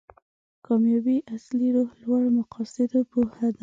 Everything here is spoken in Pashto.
کامیابي اصلي روح لوړ مقاصدو پوهه ده.